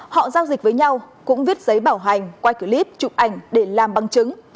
họ giao dịch với nhau cũng viết giấy bảo hành quay clip chụp ảnh để làm bằng chứng